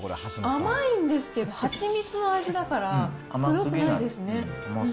甘いんですけど、はちみつの味だからくどくないですね。